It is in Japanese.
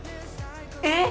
えっ？